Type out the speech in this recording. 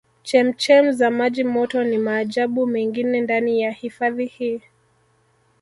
Chemchem za maji moto ni maajabu mengine ndani ya hifadhi hii